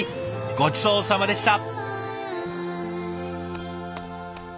ごちそうさまでした！